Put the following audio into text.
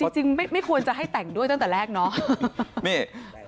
จริงไม่ควรจะให้แต่งด้วยตั้งแต่แรกเนาะ